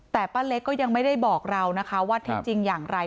แต่ป้าเล็กก็ยังไม่ได้บอกเรานะคะว่าเท็จจริงอย่างไร